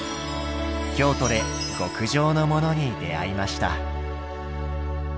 京都で極上のモノに出会いました。